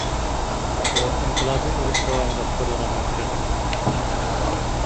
ئۇ ئىنقىلابىي ئۇرۇش داۋامىدا قۇرۇلغان ۋە تەرەققىي قىلغان.